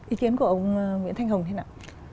ý kiến của ông nguyễn thanh hồng thế nào